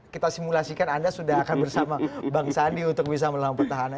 kita simulasikan anda sudah akan bersama bang sandi untuk bisa melawan petahana